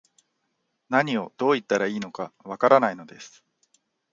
何を、どう言ったらいいのか、わからないのです